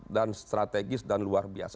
dan strategis dan luar biasa